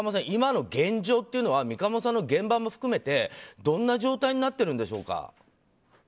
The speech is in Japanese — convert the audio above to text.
今の現状というのは三鴨さんの現場も含めてどんな状態になっているんでしょうか。